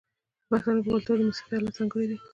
د پښتنو په کلتور کې د موسیقۍ الات ځانګړي دي.